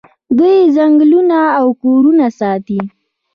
دوی ځنګلونه او کورونه ساتي.